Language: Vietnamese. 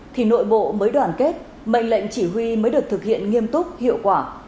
thì nội bộ mới đoàn kết mệnh lệnh chỉ huy mới được thực hiện nghiêm túc hiệu quả